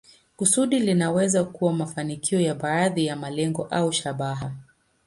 Kusudi linaweza kuwa mafanikio ya baadhi ya malengo au shabaha.